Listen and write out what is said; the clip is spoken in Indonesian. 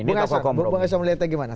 bapak bisa melihatnya gimana